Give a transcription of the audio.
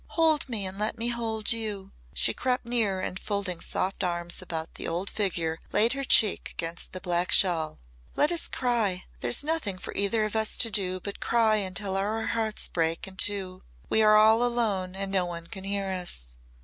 "Hold me and let me hold you." She crept near and folding soft arms about the old figure laid her cheek against the black shawl. "Let us cry. There's nothing for either of us to do but cry until our hearts break in two. We are all alone and no one can hear us."